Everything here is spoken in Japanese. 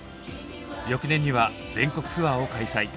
翌年には全国ツアーを開催。